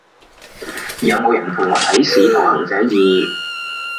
有冇人陪我睇使徒行者二？